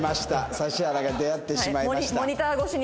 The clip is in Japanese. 指原が出会ってしまいました。